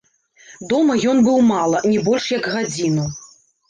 Дома ён быў мала, не больш як гадзіну.